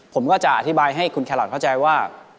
ผมก็จะอธิบายให้คุณแครอทเข้าใจว่า